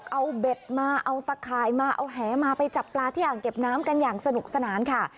เอาเบ็ดมาเอาตะข่ายมาเอาแหมาไปจับปลาที่อ่างเก็บน้ำกันอย่างสนุกสนานค่ะ